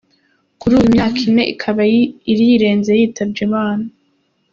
Kuri ubu imyaka ine ikaba yirenze yitabye Imana.